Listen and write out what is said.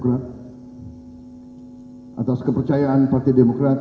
atas kepercayaan partai demokrat